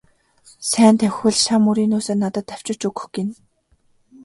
Сайн давхивал шан мөрийнөөсөө надад авчирч өгөх гэнэ.